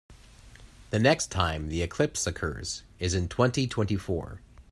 The next time the eclipse occurs is in twenty-twenty-four.